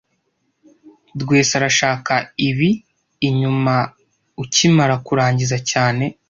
Rwesa arashaka ibi inyuma ukimara kurangiza cyane